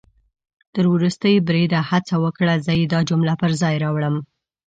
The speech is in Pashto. تر ورستي بریده هڅه وکړه، زه يې دا جمله پر ځای راوړم